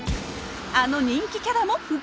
あの人気キャラも復活！